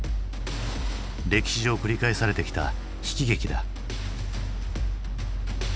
歴史上繰り返されてきた悲喜劇だ。